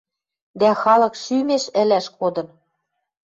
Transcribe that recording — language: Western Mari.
Дӓ халык шӱмеш ӹлӓш кодын.